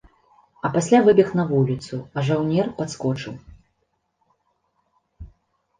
А пасля выбег на вуліцу, а жаўнер падскочыў.